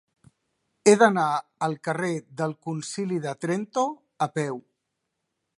He d'anar al carrer del Concili de Trento a peu.